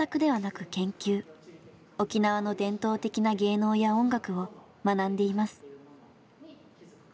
沖縄の伝統的な芸能や音楽を学んでいます。